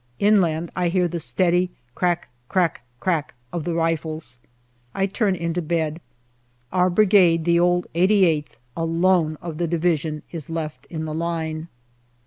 Inland I hear the steady crack, crack, crack of the rifles. I turn into bed. Our Brigade, the old 88th, alone of the Division is left in the line.